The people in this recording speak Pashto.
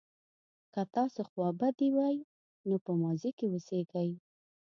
که تاسو خوابدي وئ نو په ماضي کې اوسیږئ.